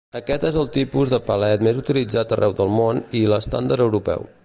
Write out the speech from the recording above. Aquest és el tipus de palet més utilitzat arreu del món i l'estàndard europeu.